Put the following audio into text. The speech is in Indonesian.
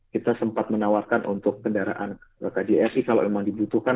kita sempat menawarkan untuk kendaraan kjri kalau memang dibutuhkan